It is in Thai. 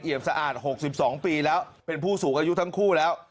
เอี่ยมสะอาดหกสิบสองปีแล้วเป็นผู้สูงอายุทั้งคู่แล้ว